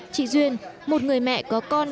chị duyên một người mẹ có con